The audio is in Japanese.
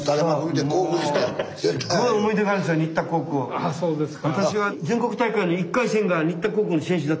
ああそうですか。